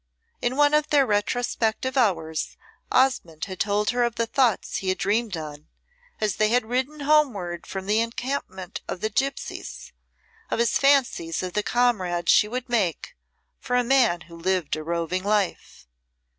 In one of their retrospective hours, Osmonde had told her of the thoughts he had dreamed on, as they had ridden homeward from the encampment of the gipsies of his fancies of the comrade she would make for a man who lived a roving life.